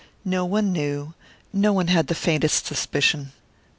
No one knew, no one had the faintest suspicion.